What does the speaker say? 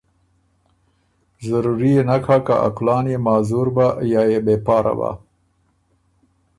ضروري يې نک هۀ که ا کلان يې معذور بَۀ یا يې بې پاره بَۀ۔